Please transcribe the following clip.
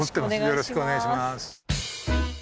よろしくお願いします。